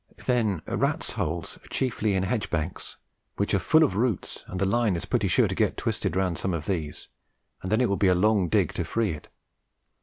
Then rats' holes are chiefly in hedge banks, which are full of roots, and the line is pretty sure to get twisted round some of these, and then it will be a long dig to free it.